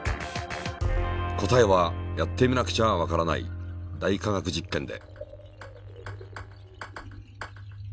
答えはやってみなくちゃわからない「大科学実験」で。